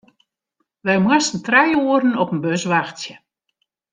Wy moasten trije oeren op in bus wachtsje.